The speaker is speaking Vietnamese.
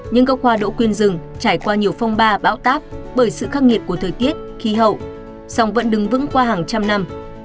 những gốc hoa đỗ quyên rừng trải qua nhiều phong ba bão táp bởi sự khắc nghiệt của thời tiết khí hậu song vẫn đứng vững qua hàng trăm năm